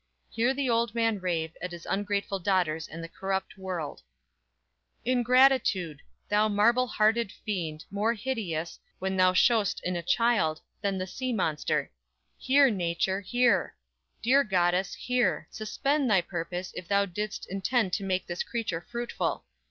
Hear the old man rave at his ungrateful daughters and the corrupt world: _"Ingratitude! thou marble hearted fiend, More hideous, when thou show'st in a child, Than the sea monster! Hear, nature, hear! Dear goddess, hear! Suspend thy purpose, if Thou did'st intend to make this creature fruitful!